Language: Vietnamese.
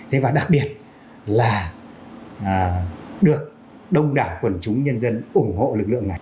thế và đặc biệt là được đông đảo quần chúng nhân dân ủng hộ lực lượng này